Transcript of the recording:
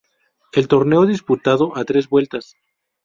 El torneo disputado a tres vueltas.